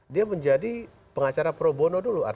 dia menjadi pengacara pro bono dulu